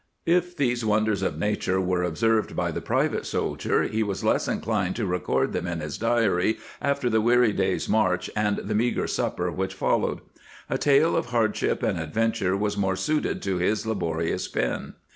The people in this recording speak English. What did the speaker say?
^ If these wonders of nature were observed by the private soldier, he was less inclined to record them in his diary after the weary day's march and the meagre supper which followed; a tale of hardship and adventure was more suited to his laborious pen.